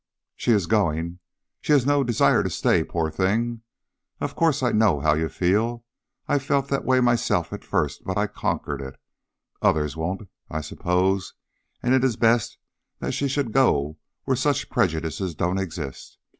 "She is going. She has no desire to stay, poor thing! Of course, I know how you feel. I felt that way myself at first, but I conquered it. Others won't, I suppose, and it is best that she should go where such prejudices don't exist.